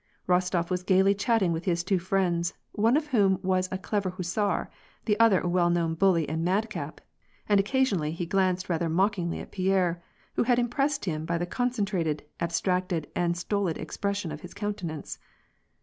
Rostof was gayly chat ting with his two friends, one of whom was a clever hussar, the other a well known bully and madcap, and occasionally he glanced rather mockingly at Pierre, who had impressed him by the concentrated, abstracted, and stolid expression of his countenance.